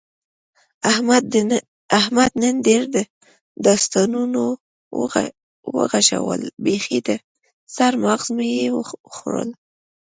احمد نن ډېر داستانونه و غږول، بیخي د سر ماغز مې یې وخوړل.